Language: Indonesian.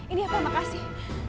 ini apa mak kasih